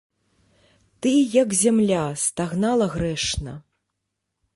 Ты, як зямля, стагнала грэшна.